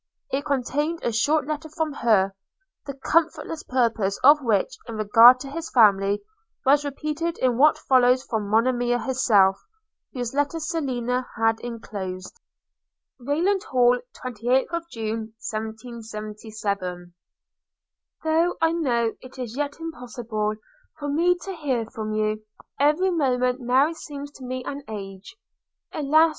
It contained a short letter from her, the comfortless purport of which, in regard to his family, was repeated in what follows from Monimia herself, whose letter Selina had inclosed: Rayland Hall, 28th June 1777. 'Though I know it is yet impossible for me to hear from you, every moment now seems to me an age. – Alas!